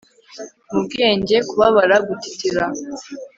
Mubwenge kubabara gutitira